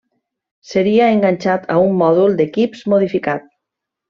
Seria enganxat a un Mòdul d'Equips modificat.